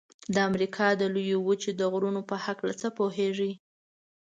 د امریکا د لویې وچې د غرونو په هکله څه پوهیږئ؟